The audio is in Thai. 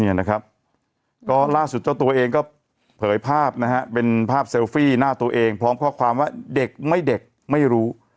เนี่ยนะครับก็ล่าสุดเจ้าตัวเองก็เผยภาพนะฮะเป็นภาพเซลฟี่หน้าตัวเองพร้อมข้อความว่าเด็กไม่เด็กไม่รู้